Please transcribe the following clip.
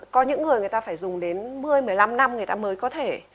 có những người người ta phải dùng đến một mươi một mươi năm năm người ta mới có thể